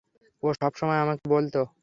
ও সবসময় আমাকে বলতো।